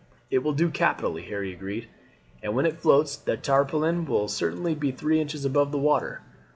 "It will do capitally," Harry agreed, "and when it floats the tarpaulin will certainly be three inches above the water.